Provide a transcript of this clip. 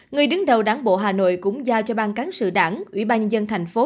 người đứng đầu đảng bộ hà nội cũng giao cho ban cán sự đảng ủy ban nhân dân thành phố